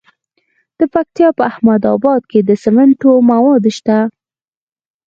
د پکتیا په احمد اباد کې د سمنټو مواد شته.